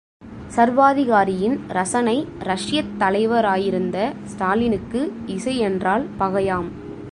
சர்வாதிகாரியின் ரசனை ரஷ்யத் தலைவராயிருந்த ஸ்டாலினுக்கு இசை என்றால் பகையாம்.